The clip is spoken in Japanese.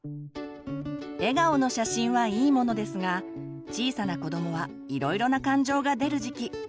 笑顔の写真はいいものですが小さな子どもはいろいろな感情が出る時期。